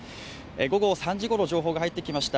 午後３時ごろ、情報が入ってきました。